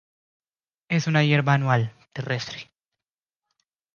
Es una hierba anual, terrestre.